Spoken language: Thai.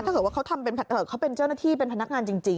ถ้าเกิดว่าเขาทำเขาเป็นเจ้าหน้าที่เป็นพนักงานจริง